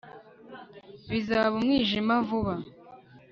bizaba umwijima vuba